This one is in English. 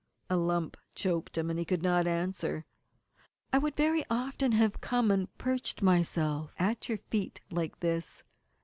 A lump choked him, and he could not answer. "I would very often have come and perched myself at your feet like this."